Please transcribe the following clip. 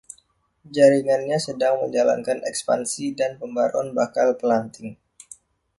Jaringannya sedang menjalankan ekspansi dan pembaruan bakal pelanting.